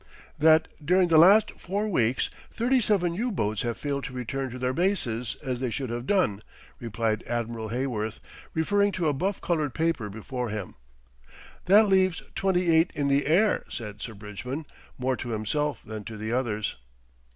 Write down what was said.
"That during the last four weeks thirty seven U boats have failed to return to their bases as they should have done," replied Admiral Heyworth, referring to a buff coloured paper before him. "That leaves twenty eight in the air," said Sir Bridgman, more to himself than to the others.